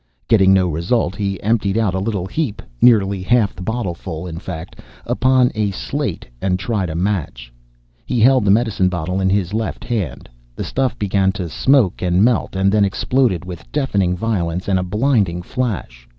Getting no result, he emptied out a little heap nearly half the bottleful, in fact upon a slate and tried a match. He held the medicine bottle in his left hand. The stuff began to smoke and melt, and then exploded with deafening violence and a blinding flash.